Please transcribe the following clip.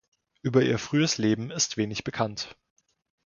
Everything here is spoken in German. Über ihr frühes Leben ist wenig bekannt.